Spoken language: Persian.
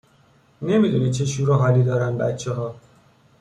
نمیدونی چه شور و حالی دارن بچهها!